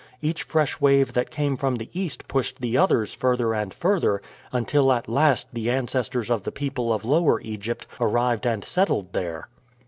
Each fresh wave that came from the east pushed the others further and further, until at last the ancestors of the people of Lower Egypt arrived and settled there.